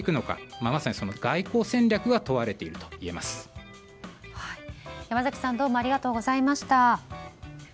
今まさに外交戦略が山崎さんありがとうございました。